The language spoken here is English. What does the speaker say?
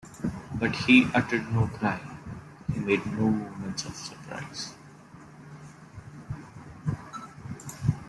But he uttered no cry; he made no movement of surprise.